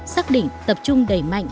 xác định tập trung đẩy mạnh